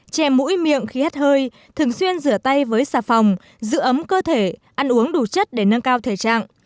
chè mũi miệng khi hát hơi thường xuyên rửa tay với xà phòng giữ ấm cơ thể ăn uống đủ chất để nâng cao thể trạng